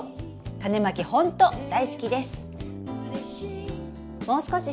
タネまきほんと大好きです！」。